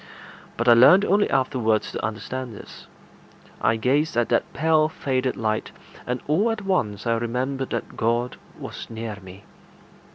But I learned only afterwards to understand this. I gazed at that pale faded light, and all at once I remembered that God was near me.